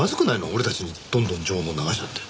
俺たちにどんどん情報流しちゃって。